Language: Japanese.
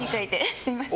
すみません。